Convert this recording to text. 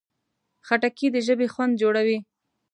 خټکی د ژبې خوند جوړوي.